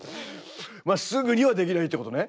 まあすぐにはできないってことね。